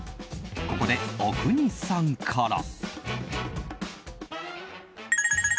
ここで、阿国さんから。